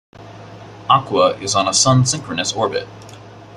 Aqua is on a Sun-synchronous orbit.